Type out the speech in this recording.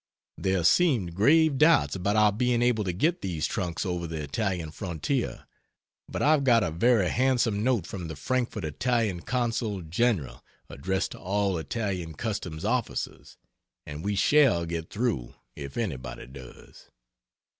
There seemed grave doubts about our being able to get these trunks over the Italian frontier, but I've got a very handsome note from the Frankfort Italian Consul General addressed to all Italian Customs Officers, and we shall get through if anybody does.